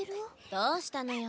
どうしたのよ？